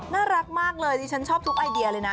น่ารักมากเลยดิฉันชอบทุกไอเดียเลยนะ